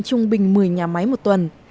trung bình một mươi nhà máy một tuần